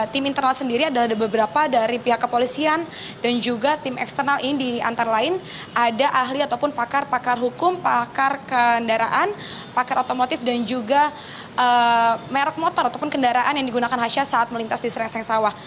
tim internal sendiri adalah beberapa dari pihak kepolisian dan juga tim eksternal ini antara lain ada ahli ataupun pakar pakar hukum pakar kendaraan pakar otomotif dan juga merek motor ataupun kendaraan yang digunakan hasha saat melintas di serengseng sawah